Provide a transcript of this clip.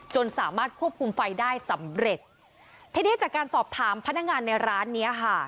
สามารถควบคุมไฟได้สำเร็จทีนี้จากการสอบถามพนักงานในร้านเนี้ยค่ะ